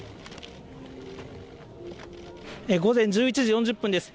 午前１１時４０分です。